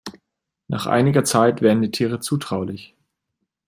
Nach einiger Zeit werden die Tiere zutraulich.